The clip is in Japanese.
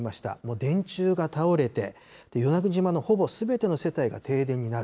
電柱が倒れて、与那国島のほぼすべての世帯が停電になる。